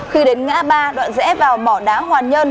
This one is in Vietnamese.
khi đến ngã ba đoạn rẽ vào mỏ đá hoàn nhơn